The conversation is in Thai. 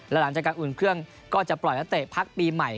และหลังจากการอุ่นเครื่องก็จะปล่อยนักเตะพักปีใหม่